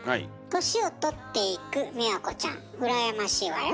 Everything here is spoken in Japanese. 年を取っていくみわこちゃん羨ましいわよ。